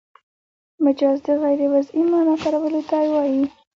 مجاز د غیر وضعي مانا کارولو ته وايي.